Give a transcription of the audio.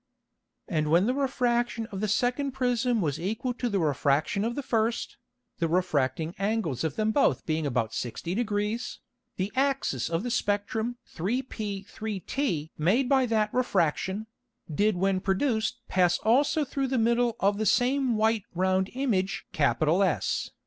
And when the Refraction of the second Prism was equal to the Refraction of the first, the refracting Angles of them both being about 60 Degrees, the Axis of the Spectrum 3p 3t made by that Refraction, did when produced pass also through the middle of the same white round Image S.